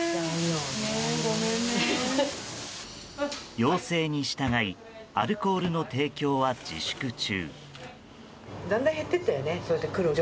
要請に従いアルコールの提供は自粛中。